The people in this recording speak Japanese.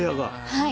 はい。